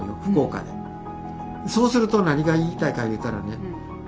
そうすると何が言いたいかいうたらね